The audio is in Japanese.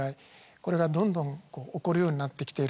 これがどんどん起こるようになってきている。